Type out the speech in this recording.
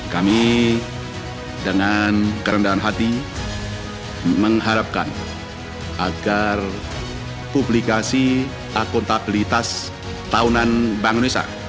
kami dengan kerendahan hati mengharapkan agar publikasi akuntabilitas tahunan bank indonesia